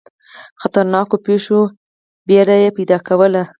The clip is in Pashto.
خطرناکو پیښو وېره یې پیدا کوله.